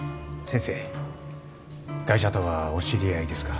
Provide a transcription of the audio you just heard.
先生ガイ者とはお知り合いですか？